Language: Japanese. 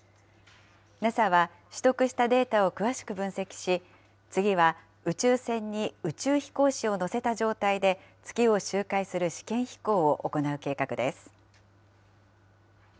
ＮＡＳＡは取得したデータを詳しく分析し、次は宇宙船に宇宙飛行士を乗せた状態で、月を周回する試験飛行を行う計画です。